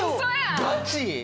ガチ？